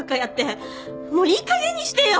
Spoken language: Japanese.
もういい加減にしてよ！